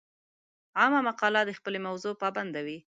عامه مقاله د خپلې موضوع پابنده وي.